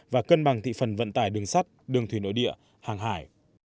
và cân bằng thị phần vận tải đường sắt đường thủy nội địa hàng hải